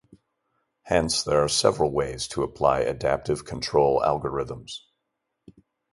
Hence, there are several ways to apply adaptive control algorithms.